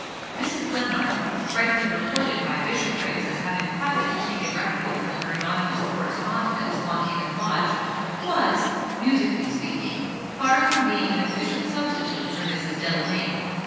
Mrs. Glenarm rightly reported by Bishopriggs as having privately taken refuge from her anonymous correspondent at Swanhaven Lodge was, musically speaking, far from being an efficient substitute for Mrs. Delamayn.